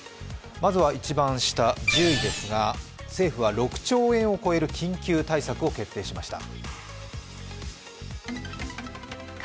まずは１０位ですが、政府は６兆円を超える緊急対策を決定しました。